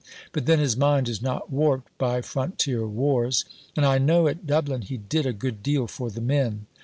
But then his mind is not warped by "Frontier Wars." And I know at Dublin he did a good deal for the men.